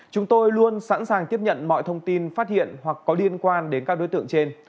chúng tôi luôn sẵn sàng tiếp nhận mọi thông tin phát hiện hoặc có liên quan đến các đối tượng trên